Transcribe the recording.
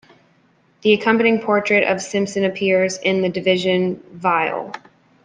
The accompanying portrait of Simpson appears in "The Division Viol".